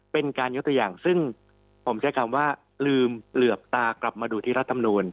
เป็นการยกตัวอย่างซึ่งผมใช้คำว่าลืมเหลือบตากลับมาดูที่รัฐมนูล